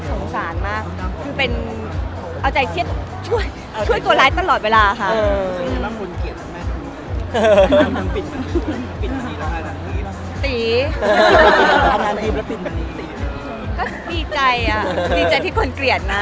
คนเลือกต่อไปก็ทำให้เราไม่ต้องคิดน่ะ